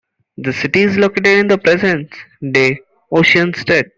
The city is located in the present day Osun State.